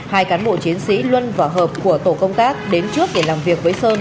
hai cán bộ chiến sĩ luân và hợp của tổ công tác đến trước để làm việc với sơn